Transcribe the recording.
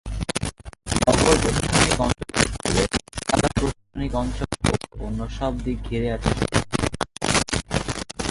Nagasaki প্রশাসনিক অঞ্চলের পূর্বে সাগা প্রশাসনিক অঞ্চল ও অন্য সব দিকে ঘিরে আছে সমুদ্র।